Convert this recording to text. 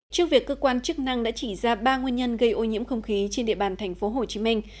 trước việc cơ quan chức năng đã chỉ ra ba nguyên nhân gây ô nhiễm không khí trên địa bàn thành phố hồ chí minh